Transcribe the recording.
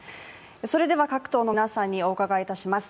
それでは各党の皆さんにお伺いいたします。